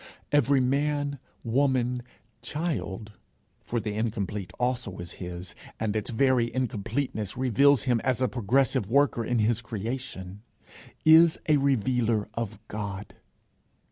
Every man, woman, child for the incomplete also is his, and in its very incompleteness reveals him as a progressive worker in his creation is a revealer of God.